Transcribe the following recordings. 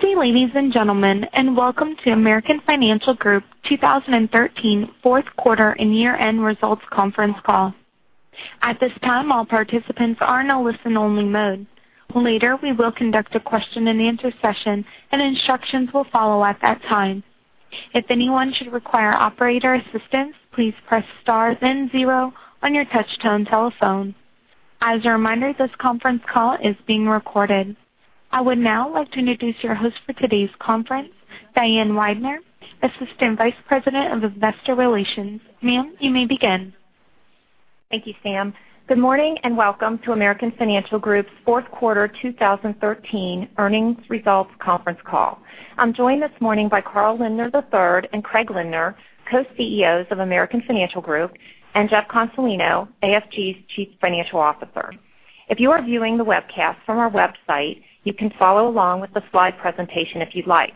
Good day, ladies and gentlemen, and welcome to American Financial Group 2013 fourth quarter and year-end results conference call. At this time, all participants are in a listen-only mode. Later, we will conduct a question and answer session, and instructions will follow at that time. If anyone should require operator assistance, please press star then zero on your touchtone telephone. As a reminder, this conference call is being recorded. I would now like to introduce your host for today's conference, Diane Weidner, Assistant Vice President of Investor Relations. Ma'am, you may begin. Thank you, Sam. Good morning, and welcome to American Financial Group's fourth quarter 2013 earnings results conference call. I'm joined this morning by Carl Lindner III and Craig Lindner, Co-CEOs of American Financial Group, and Jeff Consolino, AFG's Chief Financial Officer. If you are viewing the webcast from our website, you can follow along with the slide presentation if you'd like.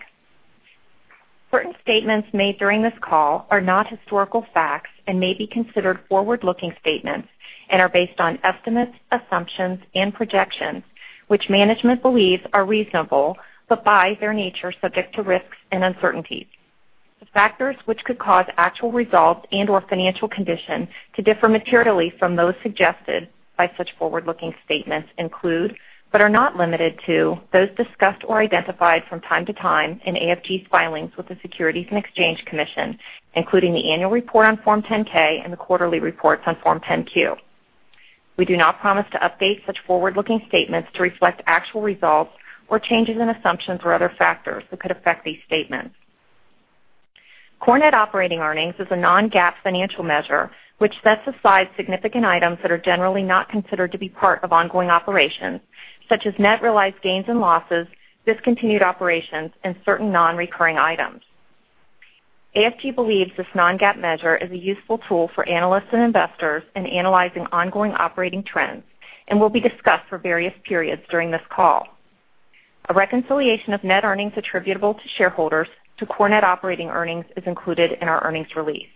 Certain statements made during this call are not historical facts and may be considered forward-looking statements and are based on estimates, assumptions, and projections, which management believes are reasonable, but by their nature, subject to risks and uncertainties. The factors which could cause actual results and/or financial condition to differ materially from those suggested by such forward-looking statements include, but are not limited to, those discussed or identified from time to time in AFG's filings with the Securities and Exchange Commission, including the annual report on Form 10-K and the quarterly reports on Form 10-Q. We do not promise to update such forward-looking statements to reflect actual results or changes in assumptions or other factors that could affect these statements. Core net operating earnings is a non-GAAP financial measure, which sets aside significant items that are generally not considered to be part of ongoing operations, such as net realized gains and losses, discontinued operations, and certain non-recurring items. AFG believes this non-GAAP measure is a useful tool for analysts and investors in analyzing ongoing operating trends and will be discussed for various periods during this call. A reconciliation of net earnings attributable to shareholders to core net operating earnings is included in our earnings release.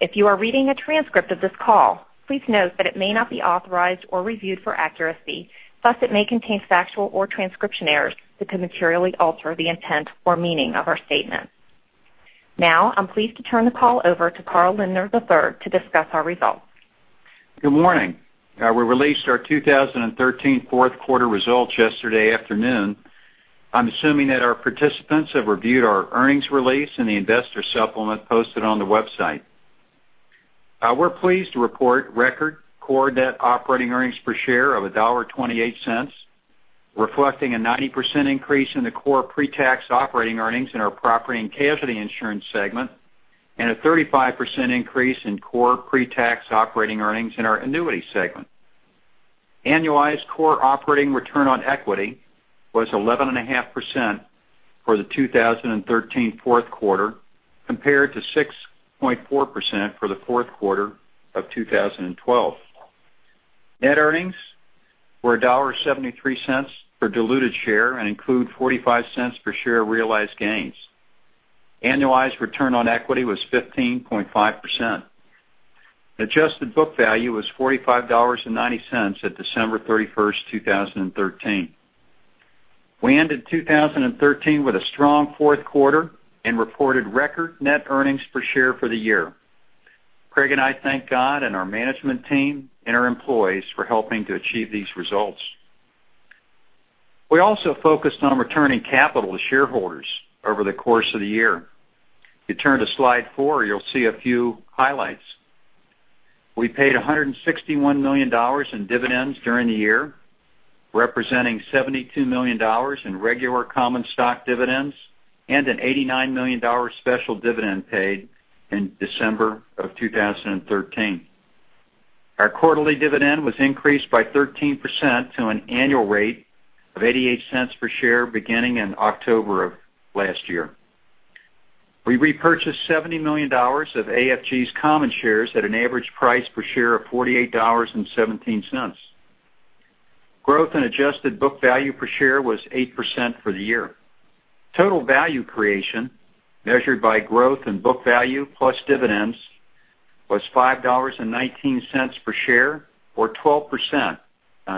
If you are reading a transcript of this call, please note that it may not be authorized or reviewed for accuracy, thus it may contain factual or transcription errors that could materially alter the intent or meaning of our statements. I'm pleased to turn the call over to Carl Lindner III to discuss our results. Good morning. We released our 2013 fourth quarter results yesterday afternoon. I'm assuming that our participants have reviewed our earnings release and the investor supplement posted on the website. We're pleased to report record core net operating earnings per share of $1.28, reflecting a 90% increase in the core pre-tax operating earnings in our property and casualty insurance segment and a 35% increase in core pre-tax operating earnings in our annuity segment. Annualized core operating return on equity was 11.5% for the 2013 fourth quarter, compared to 6.4% for the fourth quarter of 2012. Net earnings were $1.73 per diluted share and include $0.45 per share of realized gains. Annualized return on equity was 15.5%. Adjusted book value was $45.90 at December 31st, 2013. We ended 2013 with a strong fourth quarter and reported record net earnings per share for the year. Craig and I thank God and our management team and our employees for helping to achieve these results. We also focused on returning capital to shareholders over the course of the year. If you turn to slide four, you'll see a few highlights. We paid $161 million in dividends during the year, representing $72 million in regular common stock dividends and an $89 million special dividend paid in December of 2013. Our quarterly dividend was increased by 13% to an annual rate of $0.88 per share beginning in October of last year. We repurchased $70 million of AFG's common shares at an average price per share of $48.17. Growth in adjusted book value per share was 8% for the year. Total value creation, measured by growth in book value plus dividends, was $5.19 per share or 12%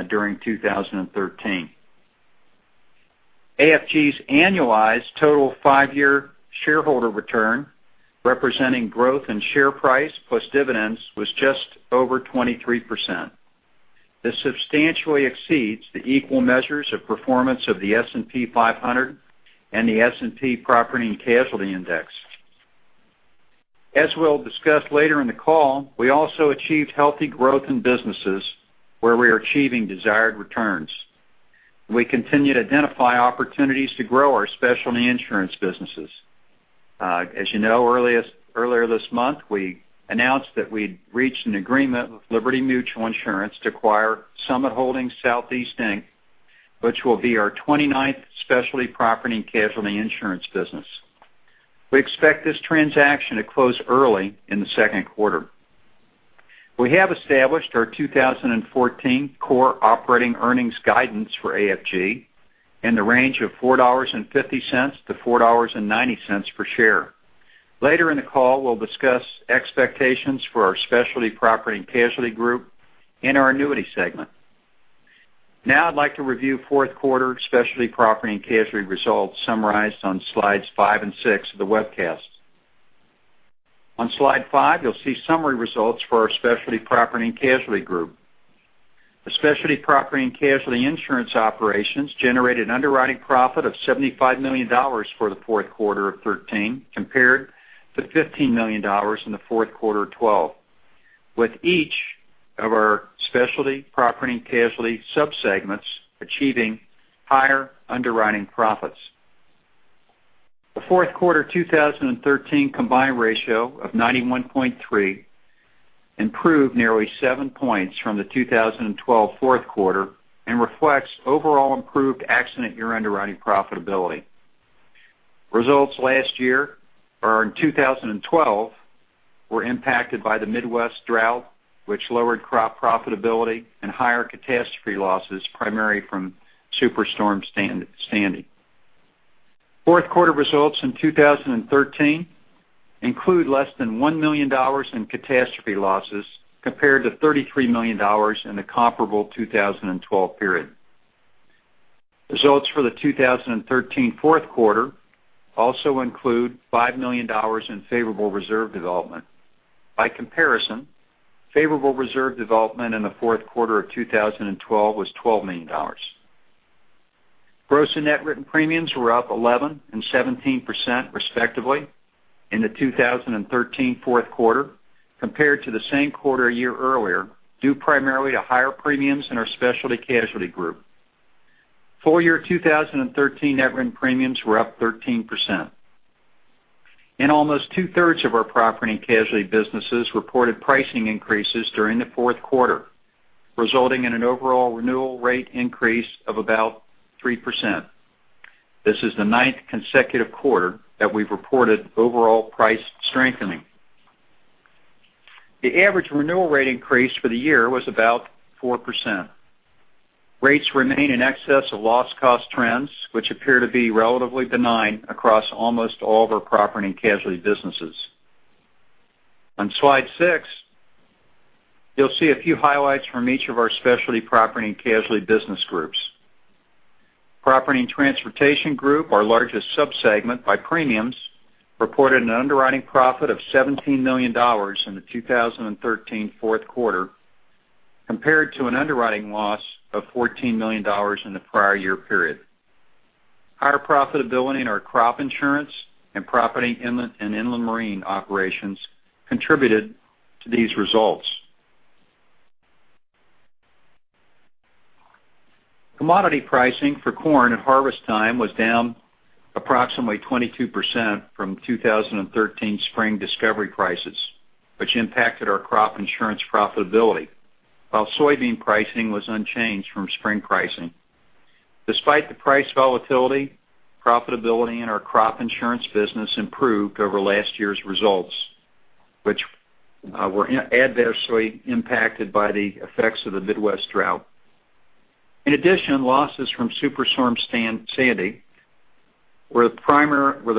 during 2013. AFG's annualized total five-year shareholder return, representing growth in share price plus dividends, was just over 23%. This substantially exceeds the equal measures of performance of the S&P 500 and the S&P Property and Casualty Index. As we'll discuss later in the call, we also achieved healthy growth in businesses where we are achieving desired returns. We continue to identify opportunities to grow our specialty insurance businesses. As you know, earlier this month, we announced that we'd reached an agreement with Liberty Mutual Insurance to acquire Summit Holding Southeast, Inc, which will be our 29th specialty property and casualty insurance business. We expect this transaction to close early in the second quarter. We have established our 2014 core operating earnings guidance for AFG in the range of $4.50-$4.90 per share. Later in the call, we'll discuss expectations for our Specialty Property and Casualty Group and our Annuity segment. Now I'd like to review fourth quarter Specialty Property and Casualty results summarized on slides five and six of the webcast. On slide five, you'll see summary results for our Specialty Property and Casualty Group. The Specialty Property and Casualty insurance operations generated underwriting profit of $75 million for the fourth quarter of 2013 compared to $15 million in the fourth quarter of 2012, with each of our Specialty Property and Casualty sub-segments achieving higher underwriting profits. The fourth quarter 2013 combined ratio of 91.3 improved nearly seven points from the 2012 fourth quarter and reflects overall improved accident year underwriting profitability. Results last year or in 2012 were impacted by the Midwest drought, which lowered crop profitability and higher catastrophe losses, primarily from Superstorm Sandy. Fourth quarter results in 2013 include less than $1 million in catastrophe losses, compared to $33 million in the comparable 2012 period. Results for the 2013 fourth quarter also include $5 million in favorable reserve development. By comparison, favorable reserve development in the fourth quarter of 2012 was $12 million. Gross and net written premiums were up 11% and 17% respectively in the 2013 fourth quarter compared to the same quarter a year earlier, due primarily to higher premiums in our Specialty Casualty Group. Full year 2013 net written premiums were up 13%. In almost two-thirds of our property and casualty businesses reported pricing increases during the fourth quarter, resulting in an overall renewal rate increase of about 3%. This is the ninth consecutive quarter that we've reported overall price strengthening. The average renewal rate increase for the year was about 4%. Rates remain in excess of loss cost trends, which appear to be relatively benign across almost all of our property and casualty businesses. On slide six, you'll see a few highlights from each of our Specialty Property and Casualty business groups. Property and Transportation Group, our largest sub-segment by premiums, reported an underwriting profit of $17 million in the 2013 fourth quarter compared to an underwriting loss of $14 million in the prior year period. Higher profitability in our crop insurance and property and inland marine operations contributed to these results. Commodity pricing for corn at harvest time was down approximately 22% from 2013 spring discovery prices, which impacted our crop insurance profitability, while soybean pricing was unchanged from spring pricing. Despite the price volatility, profitability in our crop insurance business improved over last year's results, which were adversely impacted by the effects of the Midwest drought. In addition, losses from Superstorm Sandy were the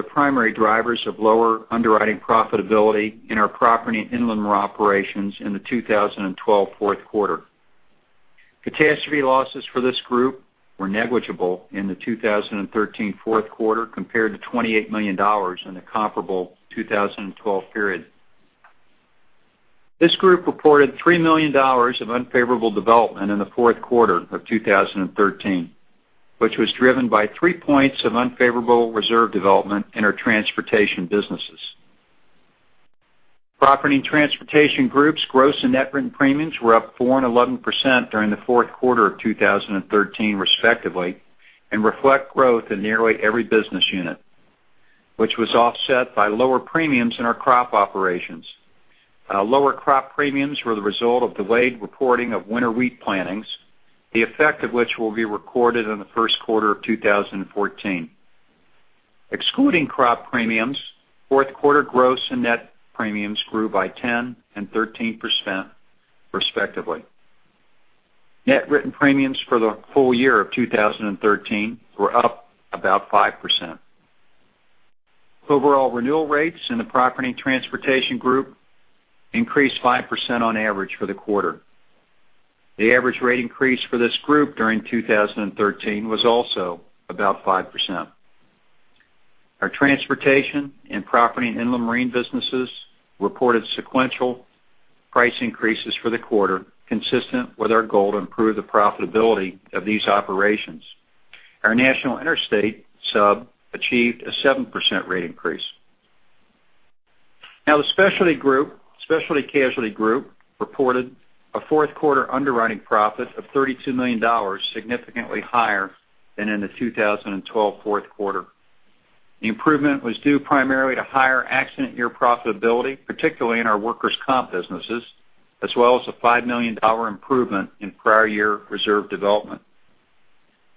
primary drivers of lower underwriting profitability in our property and inland marine operations in the 2012 fourth quarter. Catastrophe losses for this group were negligible in the 2013 fourth quarter compared to $28 million in the comparable 2012 period. This group reported $3 million of unfavorable development in the fourth quarter of 2013, which was driven by three points of unfavorable reserve development in our transportation businesses. Property and Transportation Group's gross and net written premiums were up 4% and 11% during the fourth quarter of 2013 respectively, and reflect growth in nearly every business unit, which was offset by lower premiums in our crop operations. Lower crop premiums were the result of delayed reporting of winter wheat plantings, the effect of which will be recorded in the first quarter of 2014. Excluding crop premiums, fourth quarter gross and net premiums grew by 10% and 13% respectively. Net written premiums for the full year of 2013 were up about 5%. Overall renewal rates in the Property and Transportation Group increased 5% on average for the quarter. The average rate increase for this group during 2013 was also about 5%. Our transportation and property and inland marine businesses reported sequential price increases for the quarter, consistent with our goal to improve the profitability of these operations. Our National Interstate sub achieved a 7% rate increase. The Specialty Casualty Group reported a fourth quarter underwriting profit of $32 million, significantly higher than in the 2012 fourth quarter. The improvement was due primarily to higher accident year profitability, particularly in our workers' comp businesses, as well as a $5 million improvement in prior year reserve development.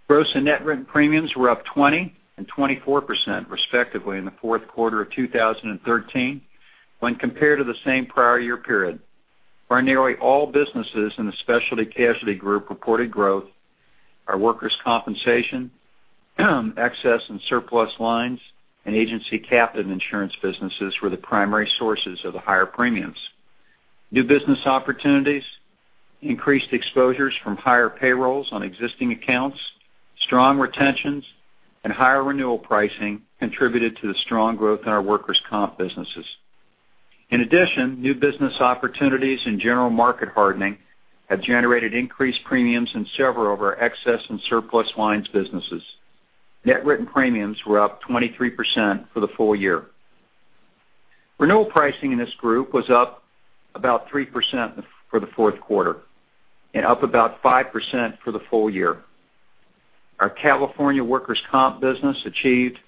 Gross and net written premiums were up 20% and 24% respectively in the fourth quarter of 2013 when compared to the same prior year period, where nearly all businesses in the Specialty Casualty Group reported growth. Our workers' compensation, excess and surplus lines, and agency captive insurance businesses were the primary sources of the higher premiums. New business opportunities, increased exposures from higher payrolls on existing accounts, strong retentions, and higher renewal pricing contributed to the strong growth in our workers' comp businesses. In addition, new business opportunities and general market hardening have generated increased premiums in several of our excess and surplus lines businesses. Net written premiums were up 23% for the full year. Renewal pricing in this group was up about 3% for the fourth quarter and up about 5% for the full year. Our California workers' comp business achieved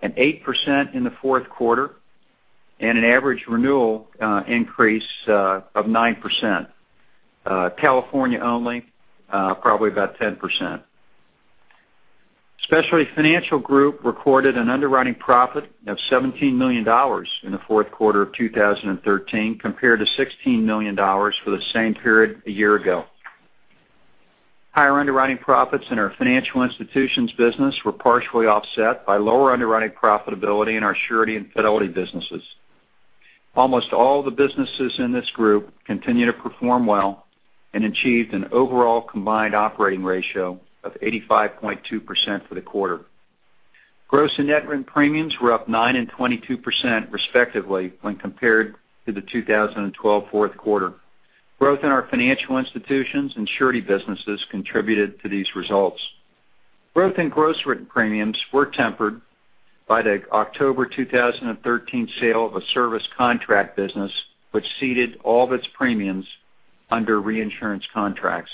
an 8% in the fourth quarter and an average renewal increase of 9%. California only, probably about 10%. Specialty Financial Group recorded an underwriting profit of $17 million in the fourth quarter of 2013 compared to $16 million for the same period a year ago. Higher underwriting profits in our financial institutions business were partially offset by lower underwriting profitability in our surety and fidelity businesses. Almost all the businesses in this group continue to perform well and achieved an overall combined operating ratio of 85.2% for the quarter. Gross and net written premiums were up nine and 22% respectively when compared to the 2012 fourth quarter. Growth in our financial institutions and surety businesses contributed to these results. Growth in gross written premiums were tempered by the October 2013 sale of a service contract business, which ceded all of its premiums under reinsurance contracts.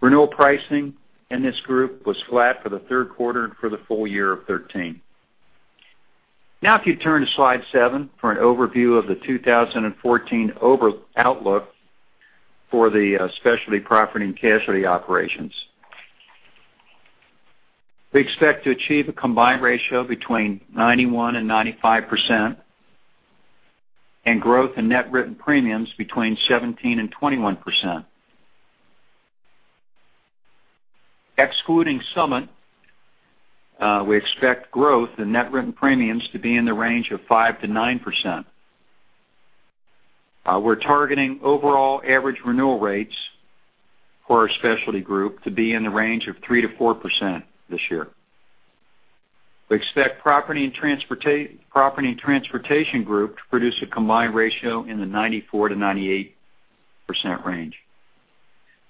Renewal pricing in this group was flat for the third quarter and for the full year of 2013. If you turn to slide seven for an overview of the 2014 outlook for the Specialty Property and Casualty operations. We expect to achieve a combined ratio between 91%-95%, and growth in net written premiums between 17%-21%. Excluding Summit, we expect growth in net written premiums to be in the range of 5%-9%. We're targeting overall average renewal rates for our Specialty group to be in the range of 3%-4% this year. We expect Property and Transportation Group to produce a combined ratio in the 94%-98% range.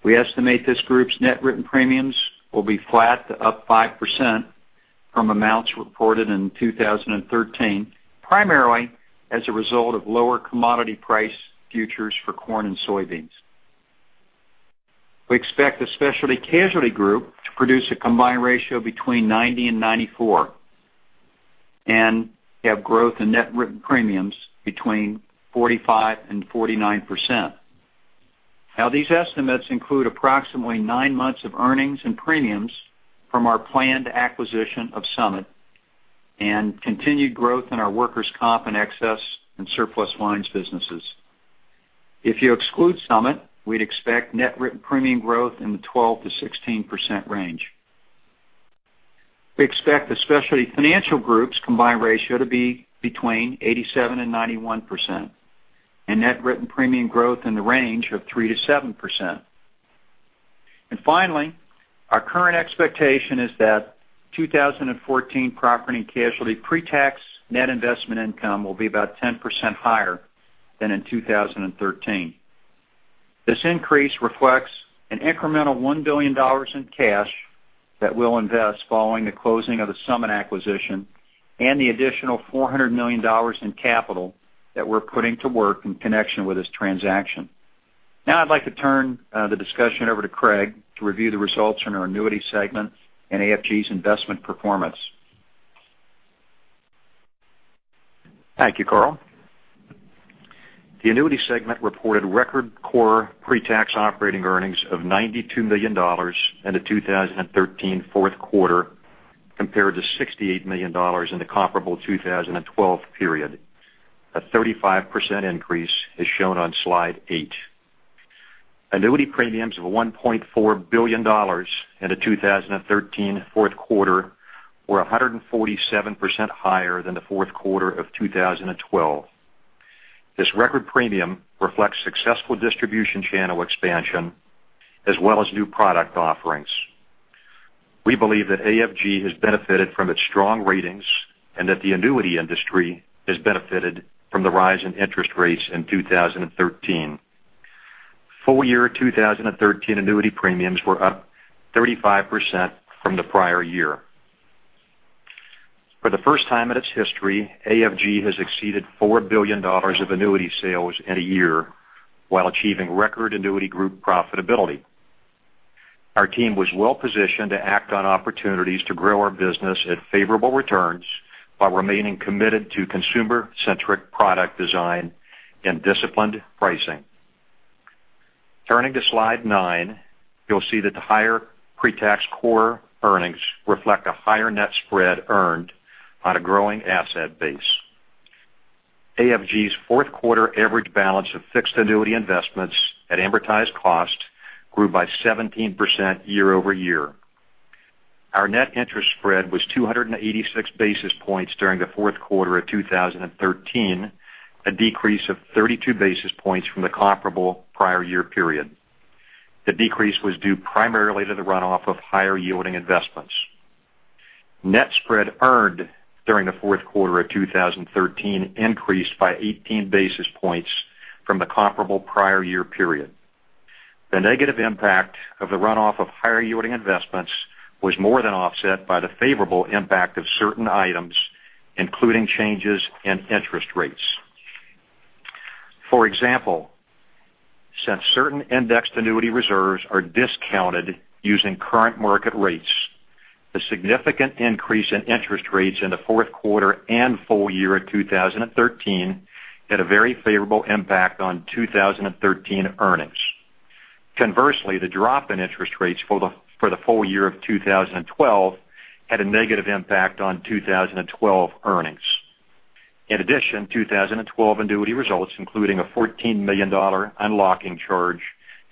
We estimate this group's net written premiums will be flat to up 5% from amounts reported in 2013, primarily as a result of lower commodity price futures for corn and soybeans. We expect the Specialty Casualty Group to produce a combined ratio between 90%-94%, and have growth in net written premiums between 45%-49%. These estimates include approximately nine months of earnings and premiums from our planned acquisition of Summit and continued growth in our workers' comp and excess and surplus lines businesses. If you exclude Summit, we'd expect net written premium growth in the 12%-16% range. We expect the Specialty Financial Group's combined ratio to be between 87%-91%, and net written premium growth in the range of 3%-7%. Finally, our current expectation is that 2014 Property and Casualty pre-tax net investment income will be about 10% higher than in 2013. This increase reflects an incremental $1 billion in cash that we'll invest following the closing of the Summit acquisition and the additional $400 million in capital that we're putting to work in connection with this transaction. I'd like to turn the discussion over to Craig to review the results in our Annuity Segment and AFG's investment performance. Thank you, Carl. The Annuity Segment reported record core pre-tax operating earnings of $92 million in the 2013 fourth quarter compared to $68 million in the comparable 2012 period. A 35% increase is shown on slide eight. Annuity premiums of $1.4 billion in the 2013 fourth quarter were 147% higher than the fourth quarter of 2012. This record premium reflects successful distribution channel expansion as well as new product offerings. We believe that AFG has benefited from its strong ratings and that the annuity industry has benefited from the rise in interest rates in 2013. Full year 2013 annuity premiums were up 35% from the prior year. For the first time in its history, AFG has exceeded $4 billion of annuity sales in a year while achieving record annuity group profitability. Our team was well positioned to act on opportunities to grow our business at favorable returns while remaining committed to consumer-centric product design and disciplined pricing. Turning to slide nine, you'll see that the higher pre-tax core earnings reflect a higher net spread earned on a growing asset base. AFG's fourth quarter average balance of fixed annuity investments at amortized cost grew by 17% year-over-year. Our net interest spread was 286 basis points during the fourth quarter of 2013, a decrease of 32 basis points from the comparable prior year period. The decrease was due primarily to the runoff of higher yielding investments. Net spread earned during the fourth quarter of 2013 increased by 18 basis points from the comparable prior year period. The negative impact of the runoff of higher yielding investments was more than offset by the favorable impact of certain items, including changes in interest rates. For example, since certain indexed annuity reserves are discounted using current market rates, the significant increase in interest rates in the fourth quarter and full year of 2013 had a very favorable impact on 2013 earnings. Conversely, the drop in interest rates for the full year of 2012 had a negative impact on 2012 earnings. In addition, 2012 annuity results including a $14 million unlocking charge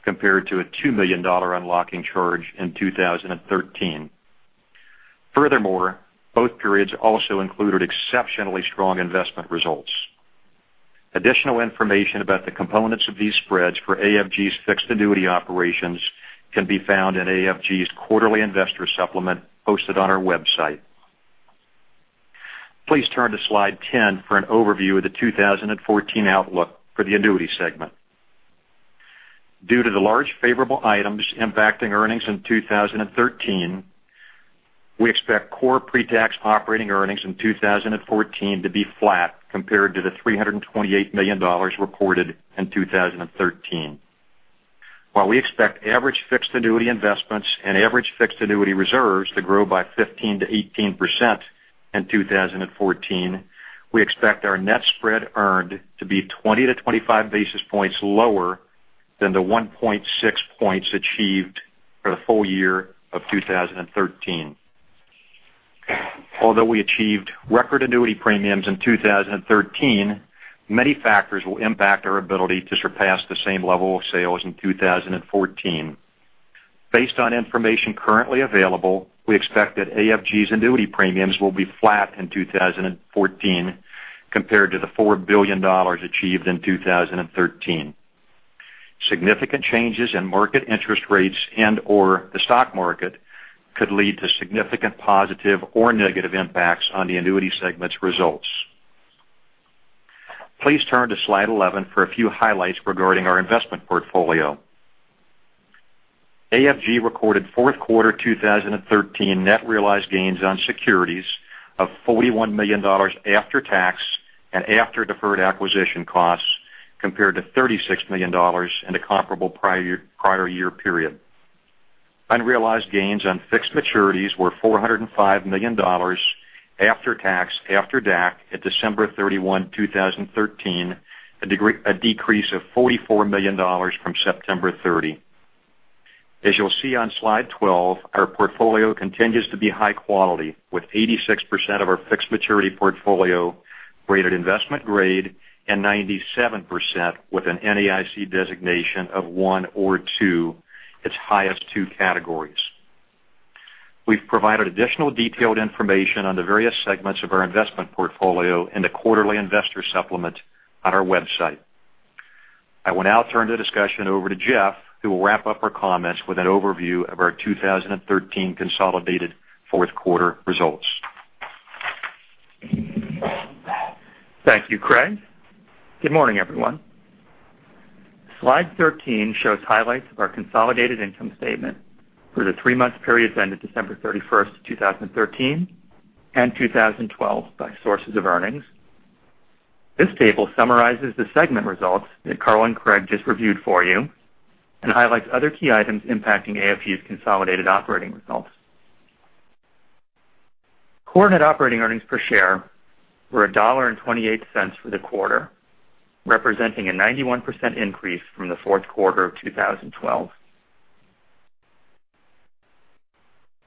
compared to a $2 million unlocking charge in 2013. Furthermore, both periods also included exceptionally strong investment results. Additional information about the components of these spreads for AFG's fixed annuity operations can be found in AFG's quarterly investor supplement posted on our website. Please turn to slide 10 for an overview of the 2014 outlook for the annuity segment. Due to the large favorable items impacting earnings in 2013, we expect core pre-tax operating earnings in 2014 to be flat compared to the $328 million reported in 2013. While we expect average fixed annuity investments and average fixed annuity reserves to grow by 15%-18% in 2014, we expect our net spread earned to be 20 to 25 basis points lower than the 1.6 points achieved for the full year of 2013. Although we achieved record annuity premiums in 2013, many factors will impact our ability to surpass the same level of sales in 2014. Based on information currently available, we expect that AFG's annuity premiums will be flat in 2014 compared to the $4 billion achieved in 2013. Significant changes in market interest rates and/or the stock market could lead to significant positive or negative impacts on the annuity segment's results. Please turn to slide 11 for a few highlights regarding our investment portfolio. AFG recorded fourth quarter 2013 net realized gains on securities of $41 million after tax and after deferred acquisition costs, compared to $36 million in the comparable prior year period. Unrealized gains on fixed maturities were $405 million after tax, after DAC, at December 31, 2013, a decrease of $44 million from September 30. As you'll see on slide 12, our portfolio continues to be high quality, with 86% of our fixed maturity portfolio rated investment grade and 97% with an NAIC designation of 1 or 2, its highest two categories. We've provided additional detailed information on the various segments of our investment portfolio in the quarterly investor supplement on our website. I will now turn the discussion over to Jeff, who will wrap up our comments with an overview of our 2013 consolidated fourth quarter results. Thank you, Craig. Good morning, everyone. Slide 13 shows highlights of our consolidated income statement for the three-month period ended December 31, 2013, and 2012 by sources of earnings. This table summarizes the segment results that Carl and Craig just reviewed for you and highlights other key items impacting AFG's consolidated operating results. Core net operating earnings per share were $1.28 for the quarter, representing a 91% increase from the fourth quarter of 2012.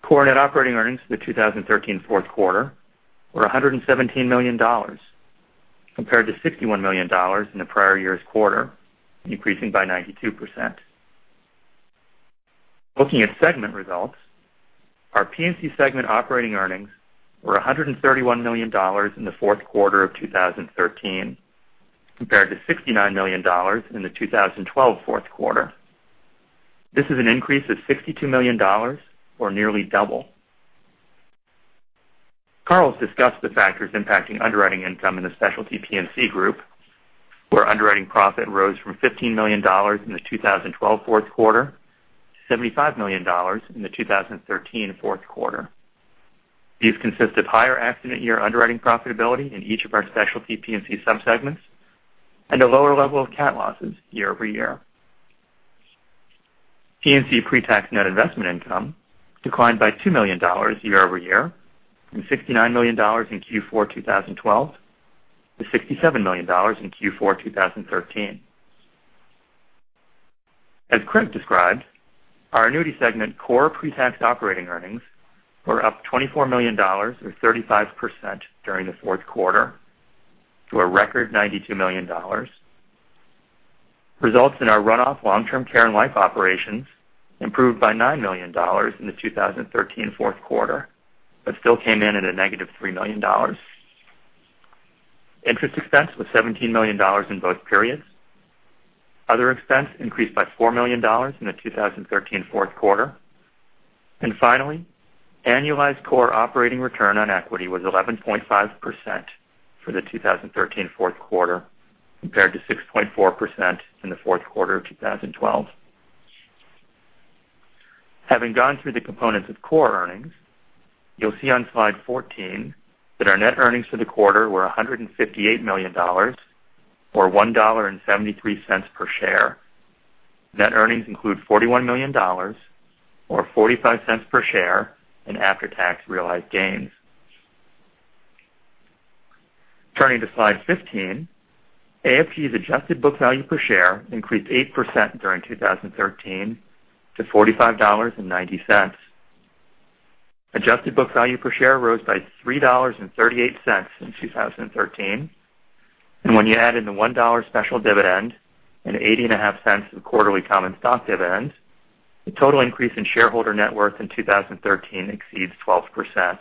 Core net operating earnings for the 2013 fourth quarter were $117 million compared to $61 million in the prior year's quarter, increasing by 92%. Looking at segment results, our P&C segment operating earnings were $131 million in the fourth quarter of 2013 compared to $69 million in the 2012 fourth quarter. This is an increase of $62 million or nearly double. Carl's discussed the factors impacting underwriting income in the Specialty P&C Group, where underwriting profit rose from $15 million in the 2012 fourth quarter to $75 million in the 2013 fourth quarter. These consist of higher accident year underwriting profitability in each of our Specialty P&C sub-segments and a lower level of cat losses year-over-year. P&C pre-tax net investment income declined by $2 million year-over-year from $69 million in Q4 2012 to $67 million in Q4 2013. As Craig described, our Annuity Segment core pre-tax operating earnings were up $24 million or 35% during the fourth quarter to a record $92 million. Results in our runoff long-term care and life operations improved by $9 million in the 2013 fourth quarter, but still came in at a negative $3 million. Interest expense was $17 million in both periods. Other expense increased by $4 million in the 2013 fourth quarter. Finally, annualized core operating return on equity was 11.5% for the 2013 fourth quarter, compared to 6.4% in the fourth quarter of 2012. Having gone through the components of core earnings, you'll see on slide 14 that our net earnings for the quarter were $158 million or $1.73 per share. Net earnings include $41 million or $0.45 per share in after-tax realized gains. Turning to slide 15, AFG's adjusted book value per share increased 8% during 2013 to $45.90. Adjusted book value per share rose by $3.38 in 2013, and when you add in the $1 special dividend and $0.805 of quarterly common stock dividends, the total increase in shareholder net worth in 2013 exceeds 12%.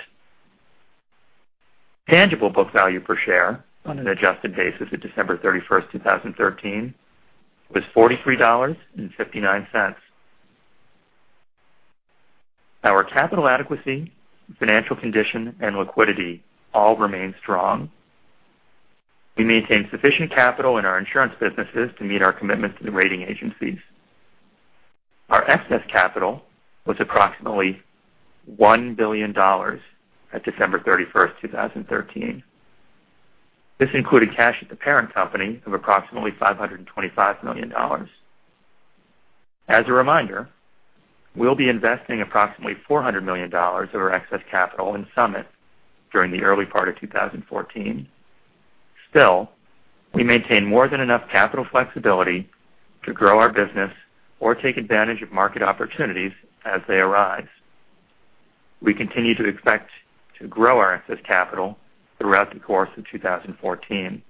Tangible book value per share on an adjusted basis of December 31st, 2013 was $43.59. Our capital adequacy, financial condition, and liquidity all remain strong. We maintain sufficient capital in our insurance businesses to meet our commitments to the rating agencies. Our excess capital was approximately $1 billion at December 31st, 2013. This included cash at the parent company of approximately $525 million. As a reminder, we'll be investing approximately $400 million of our excess capital in Summit during the early part of 2014. Still, we maintain more than enough capital flexibility to grow our business or take advantage of market opportunities as they arise. We continue to expect to grow our excess capital throughout the course of 2014.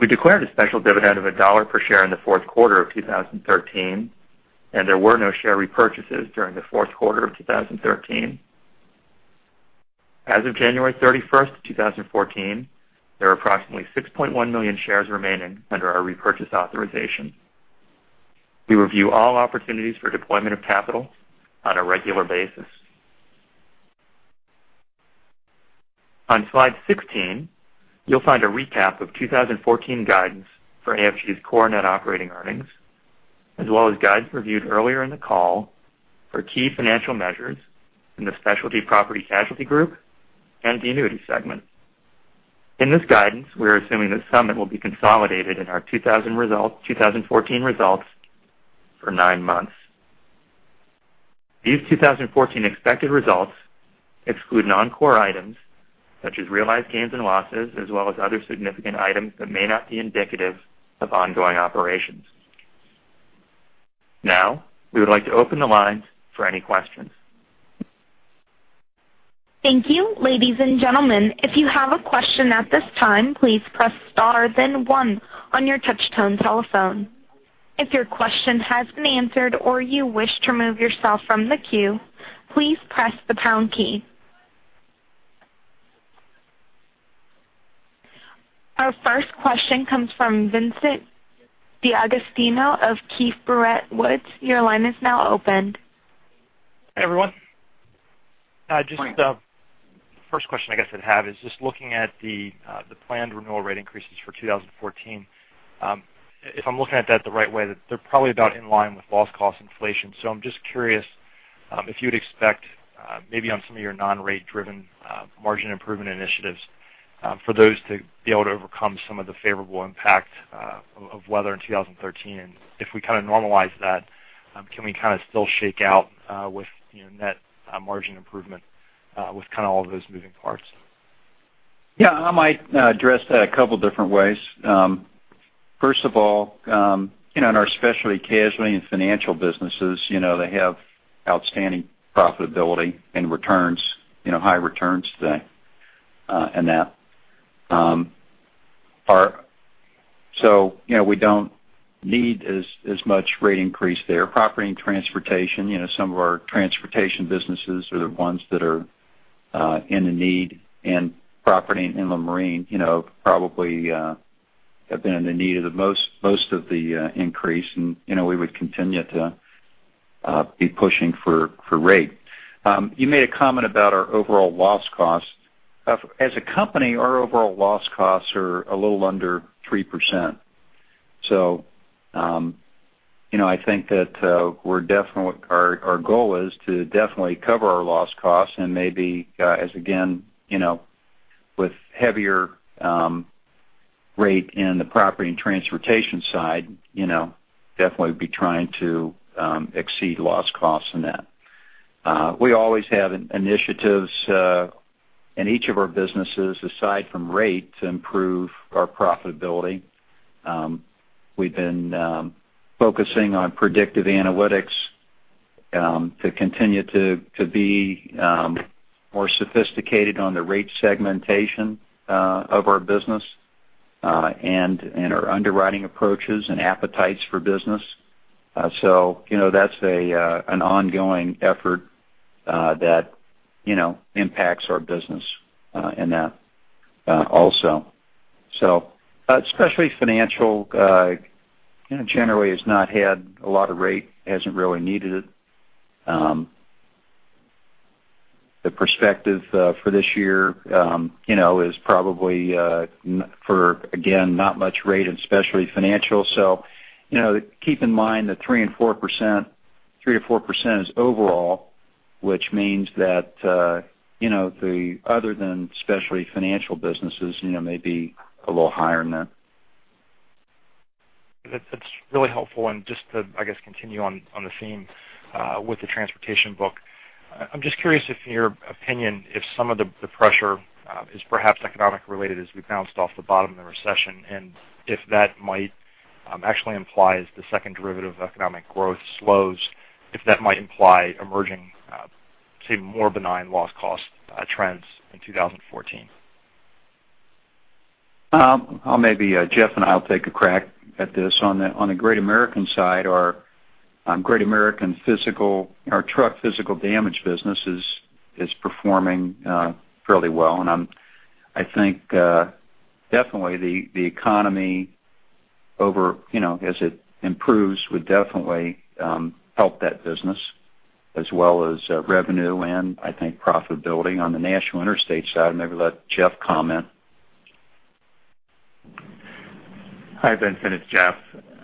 We declared a special dividend of $1 per share in the fourth quarter of 2013, and there were no share repurchases during the fourth quarter of 2013. As of January 31st, 2014, there are approximately 6.1 million shares remaining under our repurchase authorization. We review all opportunities for deployment of capital on a regular basis. On slide 16, you'll find a recap of 2014 guidance for AFG's core net operating earnings, as well as guidance reviewed earlier in the call for key financial measures in the Specialty Property and Casualty Group and the Annuity Segment. In this guidance, we are assuming that Summit will be consolidated in our 2014 results for nine months. These 2014 expected results exclude non-core items such as realized gains and losses, as well as other significant items that may not be indicative of ongoing operations. Now, we would like to open the lines for any questions. Thank you. Ladies and gentlemen, if you have a question at this time, please press star then one on your touchtone telephone. If your question has been answered or you wish to remove yourself from the queue, please press the pound key. Our first question comes from Vincent DeAugustino of Keefe, Bruyette & Woods. Your line is now open. Everyone. Just the first question I guess I'd have is just looking at the planned renewal rate increases for 2014. If I'm looking at that the right way, they're probably about in line with loss cost inflation. I'm just curious if you'd expect, maybe on some of your non-rate driven margin improvement initiatives, for those to be able to overcome some of the favorable impact of weather in 2013. If we kind of normalize that, can we kind of still shake out with net margin improvement with kind of all of those moving parts? Yeah, I might address that a couple different ways. First of all, in our specialty casualty and financial businesses, they have outstanding profitability and high returns today and that. We don't need as much rate increase there. Property and transportation, some of our transportation businesses are the ones that are in the need and property and inland marine, probably have been in the need of the most of the increase, and we would continue to be pushing for rate. You made a comment about our overall loss cost. As a company, our overall loss costs are a little under 3%. I think that our goal is to definitely cover our loss costs and maybe, as again, with heavier rate in the property and transportation side, definitely be trying to exceed loss costs in that. We always have initiatives In each of our businesses, aside from rate, to improve our profitability. We've been focusing on predictive analytics to continue to be more sophisticated on the rate segmentation of our business and our underwriting approaches and appetites for business. That's an ongoing effort that impacts our business in that also. Specialty Financial, generally has not had a lot of rate, hasn't really needed it. The perspective for this year is probably for, again, not much rate in Specialty Financial. Keep in mind that 3% or 4% is overall, which means that other than Specialty Financial businesses may be a little higher than that. That's really helpful. Just to, I guess, continue on the theme with the transportation book. I'm just curious if in your opinion, if some of the pressure is perhaps economic related as we've bounced off the bottom of the recession, and if that might actually implies the second derivative of economic growth slows, if that might imply emerging, say, more benign loss cost trends in 2014. Maybe Jeff and I will take a crack at this. On the Great American side, our Great American truck physical damage business is performing fairly well. I think definitely the economy as it improves, would definitely help that business as well as revenue and I think profitability on the National Interstate side. Maybe let Jeff comment. Hi, Vincent, it's Jeff.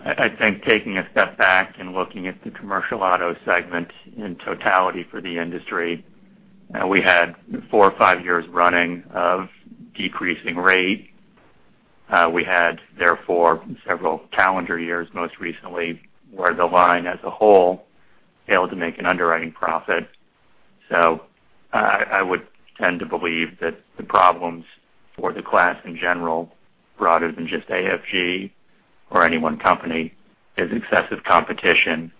I think taking a step back and looking at the commercial auto segment in totality for the industry, we had four or five years running of decreasing rate. We had, therefore, several calendar years, most recently, where the line as a whole failed to make an underwriting profit. I would tend to believe that the problems for the class in general, broader than just AFG or any one company, is excessive competition,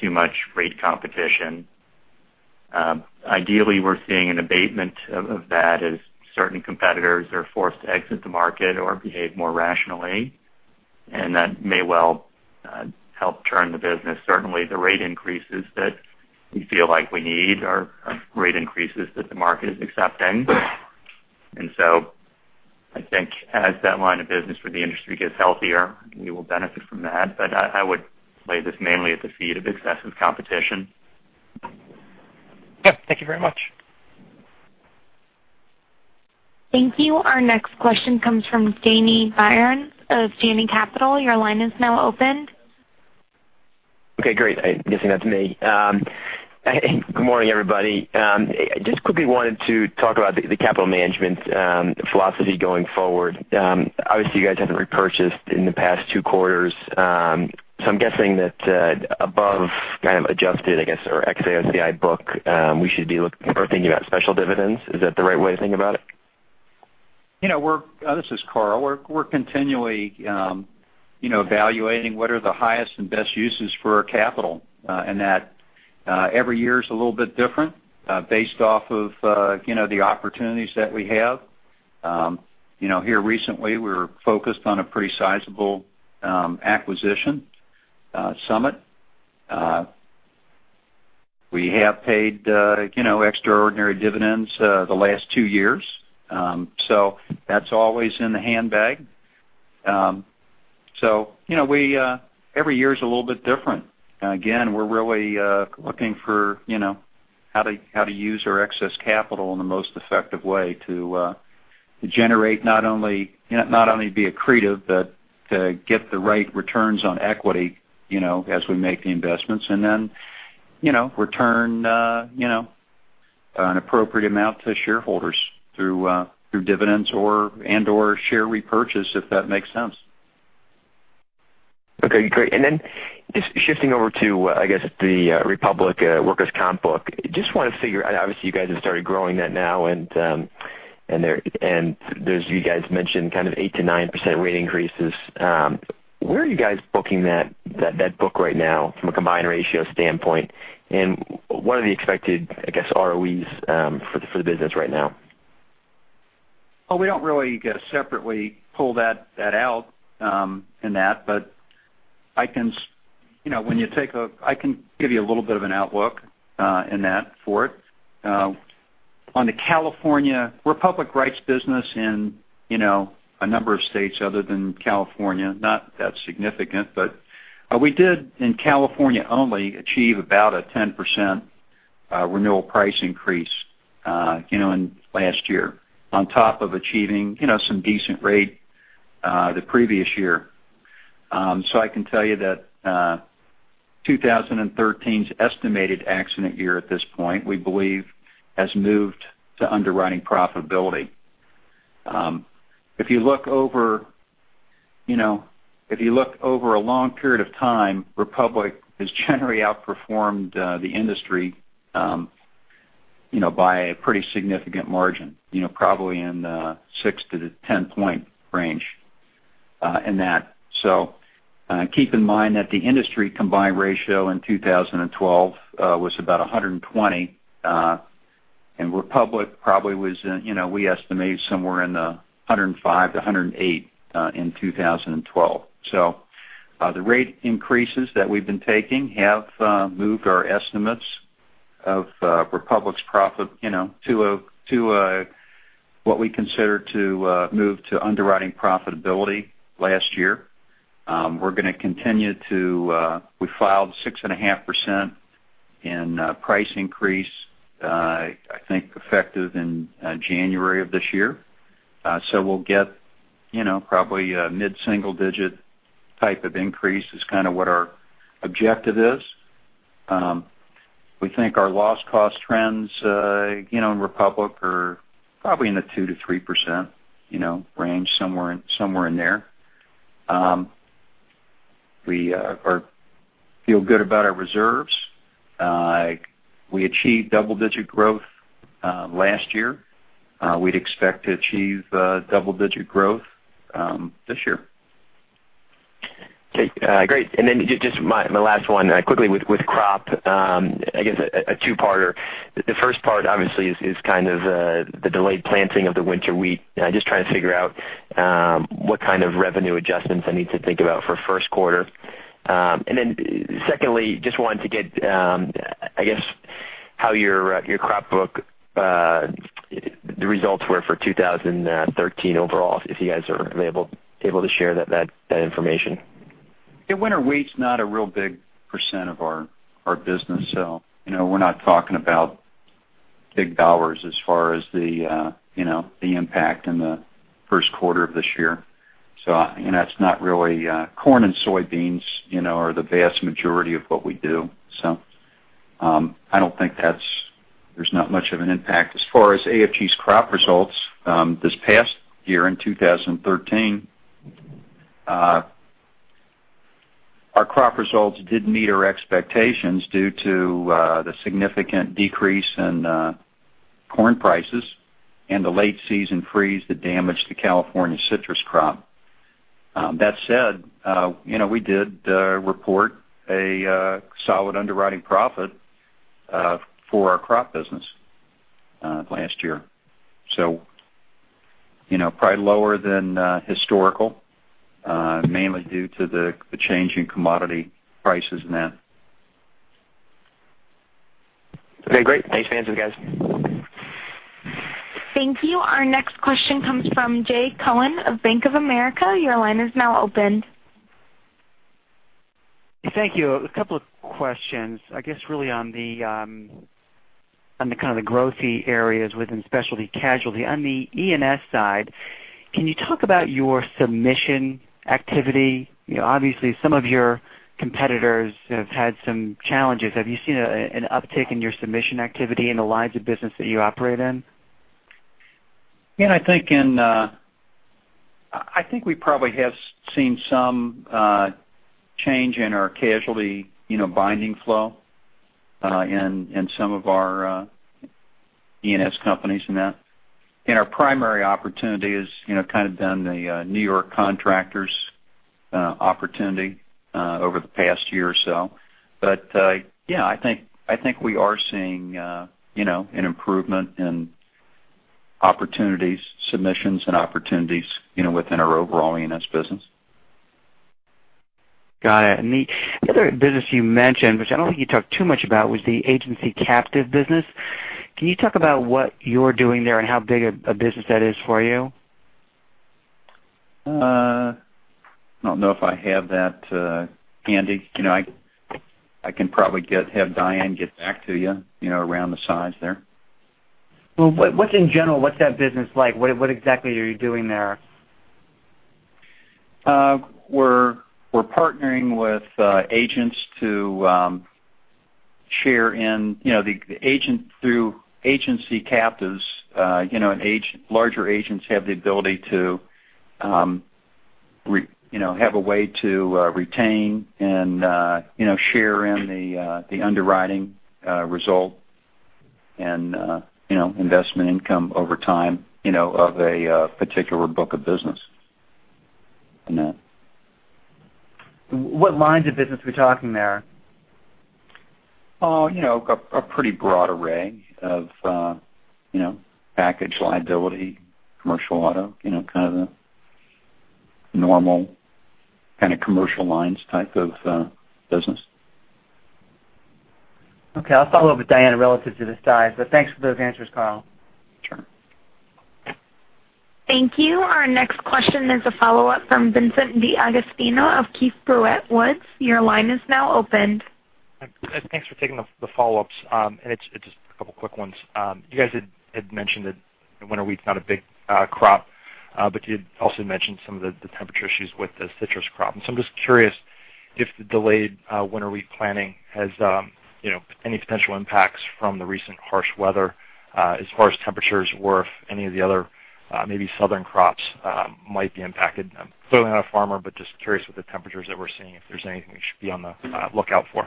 too much rate competition. Ideally, we're seeing an abatement of that as certain competitors are forced to exit the market or behave more rationally, and that may well help turn the business. Certainly, the rate increases that we feel like we need are rate increases that the market is accepting. I think as that line of business for the industry gets healthier, we will benefit from that. I would lay this mainly at the feet of excessive competition. Yeah, thank you very much. Thank you. Our next question comes from Danny Byron of Janney Capital. Your line is now open. Okay, great. I'm guessing that's me. Good morning, everybody. Just quickly wanted to talk about the capital management philosophy going forward. Obviously, you guys haven't repurchased in the past two quarters, so I'm guessing that above kind of adjusted, I guess, or ex-AOCI book, we should be looking or thinking about special dividends. Is that the right way to think about it? This is Carl. We're continually evaluating what are the highest and best uses for our capital, and that every year is a little bit different based off of the opportunities that we have. Here recently, we were focused on a pretty sizable acquisition Summit. We have paid extraordinary dividends the last two years. That's always in the handbag. Every year is a little bit different. Again, we're really looking for how to use our excess capital in the most effective way to generate, not only be accretive, but to get the right returns on equity as we make the investments. Return an appropriate amount to shareholders through dividends and/or share repurchase, if that makes sense. Okay, great. Just shifting over to, I guess, the Republic Workers' Comp book. Obviously, you guys have started growing that now, and as you guys mentioned, kind of 8%-9% rate increases. Where are you guys booking that book right now from a combined ratio standpoint, and what are the expected, I guess, ROEs for the business right now? Well, we don't really separately pull that out in that, but I can give you a little bit of an outlook in that for it. On the California Republic writes business in a number of states other than California, not that significant, but we did in California only achieve about a 10% renewal price increase last year on top of achieving some decent rate the previous year. I can tell you that 2013's estimated accident year at this point, we believe, has moved to underwriting profitability. If you look over a long period of time, Republic has generally outperformed the industry by a pretty significant margin, probably in the 6-10-point range in that. Keep in mind that the industry combined ratio in 2012 was about 120, and Republic probably was, we estimate, somewhere in the 105-108 in 2012. The rate increases that we've been taking have moved our estimates of Republic's profit to what we consider to move to underwriting profitability last year. We filed 6.5% in price increase, I think, effective in January of this year. We'll get probably a mid-single-digit type of increase, is kind of what our objective is. We think our loss cost trends in Republic are probably in the 2%-3% range, somewhere in there. We feel good about our reserves. We achieved double-digit growth last year. We'd expect to achieve double-digit growth this year. Okay. Great. Just my last one quickly with crop. I guess a two-parter. The first part obviously is kind of the delayed planting of the winter wheat, and I'm just trying to figure out what kind of revenue adjustments I need to think about for first quarter. Secondly, just wanted to get, I guess, how your crop book, the results were for 2013 overall, if you guys are able to share that information. winter wheat's not a real big percent of our business. We're not talking about big dollars as far as the impact in the first quarter of this year. Corn and soybeans are the vast majority of what we do, I don't think there's not much of an impact. As far as AFG's crop results, this past year in 2013, our crop results didn't meet our expectations due to the significant decrease in corn prices and the late-season freeze that damaged the California citrus crop. That said, we did report a solid underwriting profit for our crop business last year. Probably lower than historical, mainly due to the change in commodity prices in that. Okay, great. Thanks for the answers, guys. Thank you. Our next question comes from Jay Cohen of Bank of America. Your line is now open. Thank you. A couple of questions, I guess really on the kind of the growth-y areas within specialty casualty. On the E&S side, can you talk about your submission activity? Obviously, some of your competitors have had some challenges. Have you seen an uptick in your submission activity in the lines of business that you operate in? Yeah, I think we probably have seen some change in our casualty binding flow in some of our E&S companies in that. Our primary opportunity has kind of been the New York contractors opportunity over the past year or so. Yeah, I think we are seeing an improvement in submissions and opportunities within our overall E&S business. Got it. The other business you mentioned, which I don't think you talked too much about, was the agency captive business. Can you talk about what you're doing there and how big a business that is for you? I don't know if I have that handy. I can probably have Diane get back to you around the size there. Well, in general, what's that business like? What exactly are you doing there? We're partnering with agents to share in the agent through agency captives. Larger agents have the ability to have a way to retain and share in the underwriting result and investment income over time of a particular book of business in that. What lines of business are we talking there? A pretty broad array of package liability, commercial auto, kind of the normal kind of commercial lines type of business. Okay. I'll follow up with Diane relative to the size. Thanks for those answers, Carl. Sure. Thank you. Our next question is a follow-up from Vincent D'Agostino of Keefe, Bruyette & Woods. Your line is now open. Thanks for taking the follow-ups. It's just a couple of quick ones. You guys had mentioned that winter wheat's not a big crop, but you had also mentioned some of the temperature issues with the citrus crop. I'm just curious if the delayed winter wheat planting has any potential impacts from the recent harsh weather as far as temperatures were, if any of the other, maybe southern crops might be impacted. Clearly not a farmer, but just curious with the temperatures that we're seeing, if there's anything we should be on the lookout for.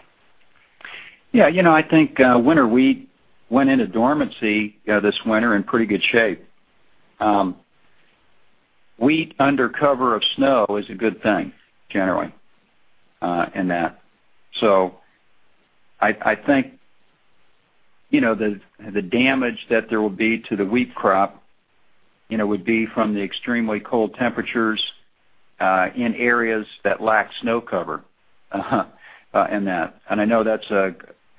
Yeah. I think winter wheat went into dormancy this winter in pretty good shape. Wheat under cover of snow is a good thing, generally. I think the damage that there will be to the wheat crop would be from the extremely cold temperatures, in areas that lack snow cover. I know that's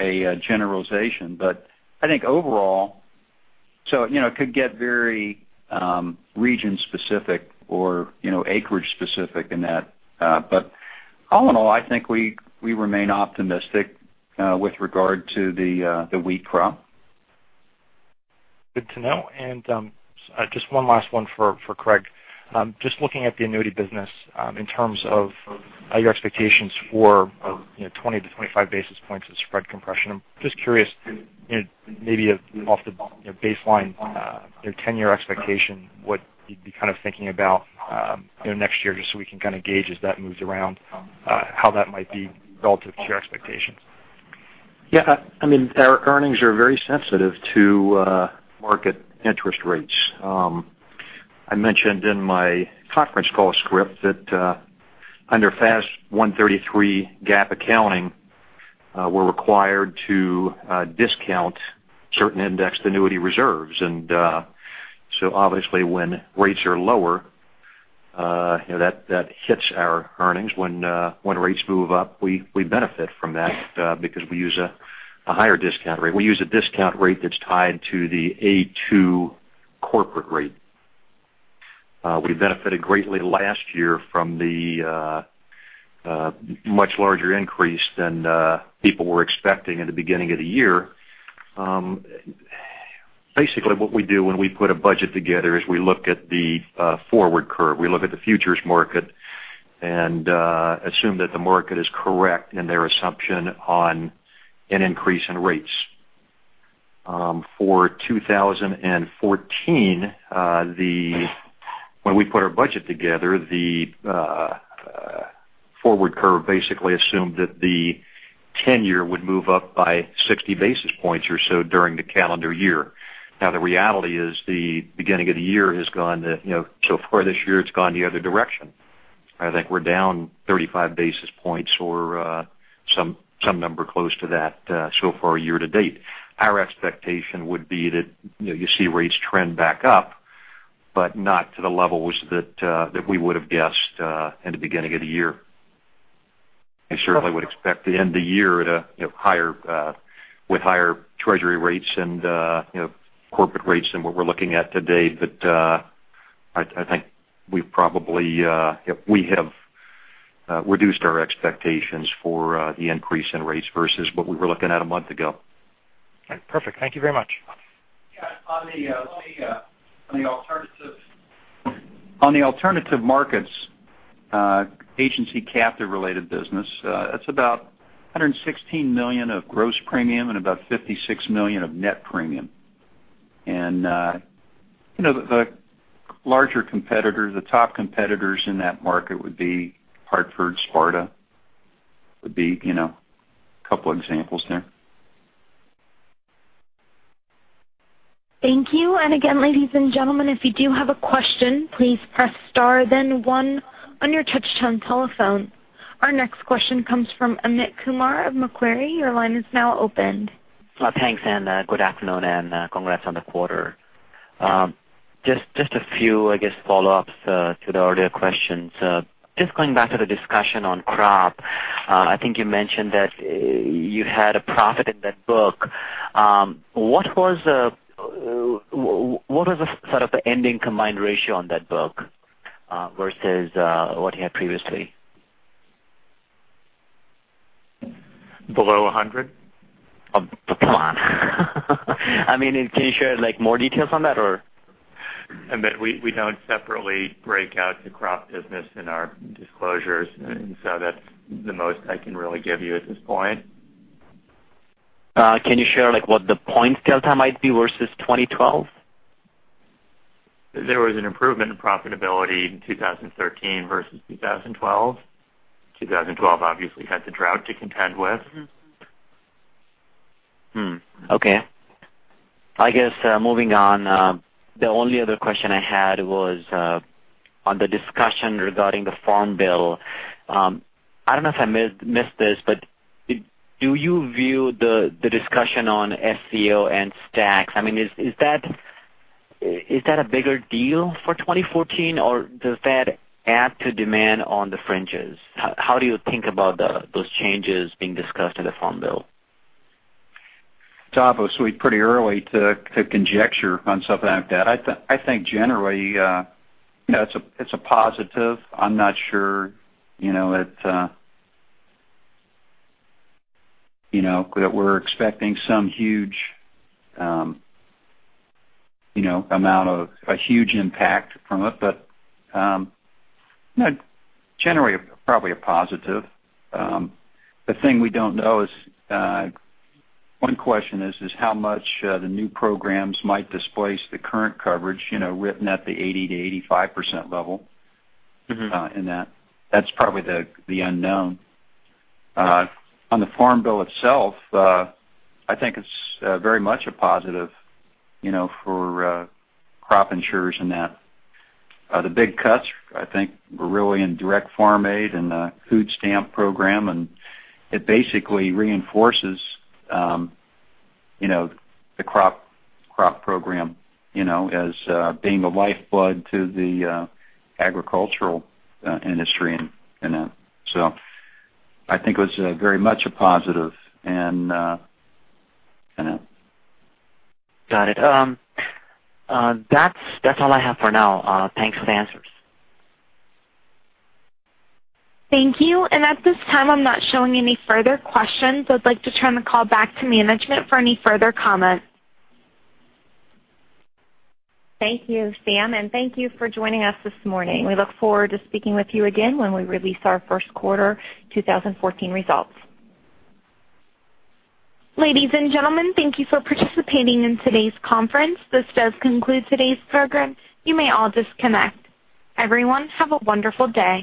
a generalization, but I think overall, it could get very region specific or acreage specific in that. All in all, I think we remain optimistic with regard to the wheat crop. Good to know. Just one last one for Craig. Just looking at the annuity business, in terms of your expectations for 20 to 25 basis points of spread compression. I'm just curious, maybe off the baseline, your 10-year expectation, what you'd be thinking about next year, just so we can gauge as that moves around, how that might be relative to your expectations. Yeah. Our earnings are very sensitive to market interest rates. I mentioned in my conference call script that under FAS 133 GAAP accounting, we're required to discount certain indexed annuity reserves. Obviously when rates are lower, that hits our earnings. When rates move up, we benefit from that, because we use a higher discount rate. We use a discount rate that's tied to the A2 corporate rate. We benefited greatly last year from the much larger increase than people were expecting at the beginning of the year. Basically, what we do when we put a budget together is we look at the forward curve. We look at the futures market and assume that the market is correct in their assumption on an increase in rates. For 2014, when we put our budget together, the forward curve basically assumed that the 10-year would move up by 60 basis points or so during the calendar year. The reality is the beginning of the year has gone, so far this year, it's gone the other direction. I think we're down 35 basis points or some number close to that so far year to date. Our expectation would be that you see rates trend back up, but not to the levels that we would've guessed in the beginning of the year. I certainly would expect to end the year with higher treasury rates and corporate rates than what we're looking at today. I think we have reduced our expectations for the increase in rates versus what we were looking at a month ago. Perfect. Thank you very much. Yeah. On the alternative markets, agency captive related business, it's about $116 million of gross premium and about $56 million of net premium. The larger competitor, the top competitors in that market would be Hartford, SPARTA, would be a couple examples there. Thank you. Again, ladies and gentlemen, if you do have a question, please press star then one on your touch-tone telephone. Our next question comes from Amit Kumar of Macquarie. Your line is now opened. Thanks, good afternoon, and congrats on the quarter. Just a few, I guess, follow-ups to the earlier questions. Just going back to the discussion on crop, I think you mentioned that you had a profit in that book. What was the sort of ending combined ratio on that book versus what you had previously? Below 100. Oh, come on. Can you share more details on that, or? Amit, we don't separately break out the crop business in our disclosures. That's the most I can really give you at this point. Can you share what the points delta might be versus 2012? There was an improvement in profitability in 2013 versus 2012. 2012 obviously had the drought to contend with. Moving on, the only other question I had was on the discussion regarding the Farm Bill. I don't know if I missed this, do you view the discussion on SCO and STAX, is that a bigger deal for 2014, or does that add to demand on the fringes? How do you think about those changes being discussed in the Farm Bill? It's obviously pretty early to conjecture on something like that. I think generally, it's a positive. I'm not sure that we're expecting some huge amount of a huge impact from it. Generally, probably a positive. The thing we don't know is, one question is how much the new programs might displace the current coverage written at the 80%-85% level in that. That's probably the unknown. On the Farm Bill itself, I think it's very much a positive for crop insurers in that. The big cuts, I think, were really in direct farm aid and the Food Stamp Program, and it basically reinforces the Crop Program as being the lifeblood to the agricultural industry in that. I think it was very much a positive in that. Got it. That's all I have for now. Thanks for the answers. Thank you. At this time, I'm not showing any further questions. I'd like to turn the call back to management for any further comments. Thank you, Sam. Thank you for joining us this morning. We look forward to speaking with you again when we release our first quarter 2014 results. Ladies and gentlemen, thank you for participating in today's conference. This does conclude today's program. You may all disconnect. Everyone, have a wonderful day.